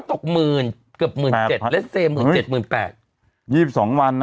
ตกหมื่นเกือบหมื่นเจ็ดและเซหมื่นเจ็ดหมื่นแปดยี่สิบสองวันนะ